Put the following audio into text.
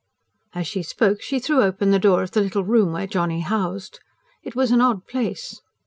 As she spoke, she threw open the door of the little room where Johnny housed. It was an odd place.